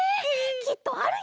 きっとあるよ！